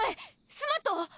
スマット！？